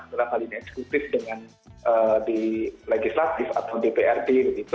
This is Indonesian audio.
yang paling eksklusif dengan di legislatif atau dprd